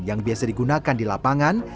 yang biasa digunakan di lapangan